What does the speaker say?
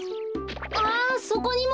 あそこにも！